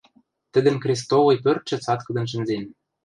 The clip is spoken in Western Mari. Тӹдӹн крестовый пӧртшӹ цаткыдын шӹнзен.